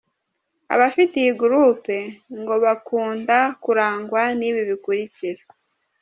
Abafite iyi groupe ngo bakunda kurangwa n’ibi bikurikira:.